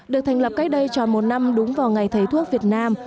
được thành lập cách đây tròn một năm đúng vào ngày thầy thuốc việt nam